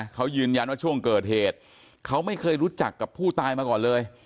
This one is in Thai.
เขายืนยันว่าช่วงเกิดเหตุเขาไม่เคยรู้จักกับผู้ตายมาก่อนเลย